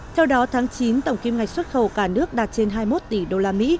theo đó tháng chín tổng kim ngạch xuất khẩu cả nước đạt trên hai mươi một tỷ đô la mỹ